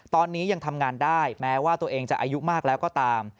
ตอนนี้ยังทำงานได้แม้ว่าตัวเองจะอายุมากแล้วก็ตาม